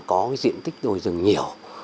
cung cấp các cái diện tích đồi rừng nhiều